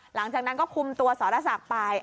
หลังจากนั้นก็คุมตัวสรศักดิ์ไป